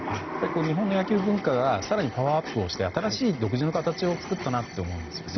日本の野球文化が更にパワーアップして新しい独自の形を作ったなと思うんですよね。